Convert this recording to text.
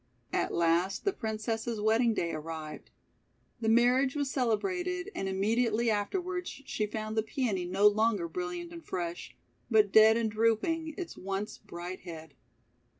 At last the Princess's wedding day arrived. The marriage was celebrated, and immediately afterward she found the Peony no longer brilliant and fresh, but dead and drooping its once bright head.